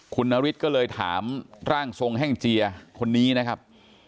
คุณนฤทธิ์ก็เลยถามร่างทรงแห้งเจียคนนี้นะครับ